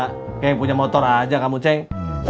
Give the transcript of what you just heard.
kayaknya punya motor aja kamu ceng